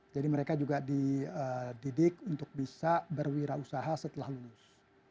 jadi mereka juga dididik untuk bisa berwirausaha setelah lulus